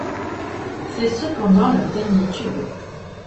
C'est cependant leur dernier tube.